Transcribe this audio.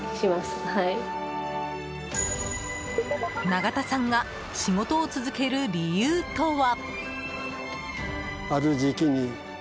永田さんが仕事を続ける理由とは？